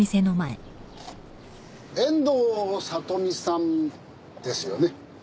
遠藤里実さんですよね？